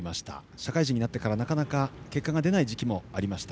社会人になってからなかなか結果が出ない時期もありました